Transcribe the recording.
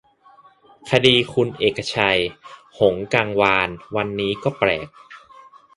คดีคุณเอกชัย หงส์กังวาน วันนี้ ก็แปลก